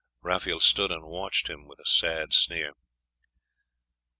Raphael stood and watched him with a sad sneer.